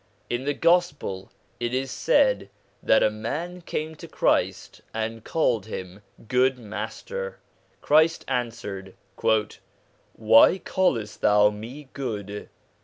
In the Gospel it is said that a man came to Christ and called him ' Good Master.' Christ answered :' Why callest thou me good